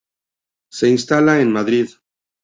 Se instala en Madrid.